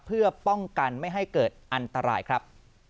เพื่อป้องกันไม่ให้เกิดอันตรายครับ